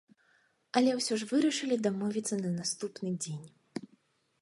Але ўсё ж вырашылі дамовіцца на наступны дзень.